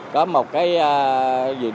có một cái